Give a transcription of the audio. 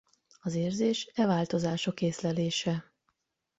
Az érzés e változások észlelése.